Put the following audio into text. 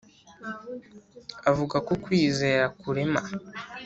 avuga ko kwizera kurema